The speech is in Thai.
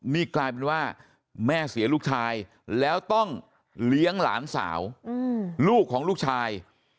นี่กลายเป็นว่าแม่เสียลูกชายแล้วต้องเลี้ยงหลานสาวลูกของลูกชาย